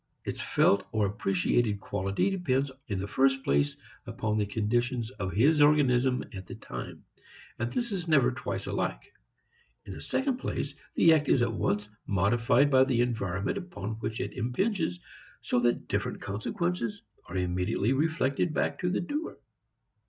Its felt or appreciated quality depends in the first place upon the condition of his organism at the time, and this is never twice alike. In the second place, the act is at once modified by the environment upon which it impinges so that different consequences are immediately reflected back to the doer.